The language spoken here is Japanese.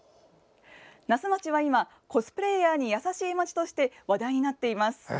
那須町は今コスプレイヤーに優しい町として話題になっています。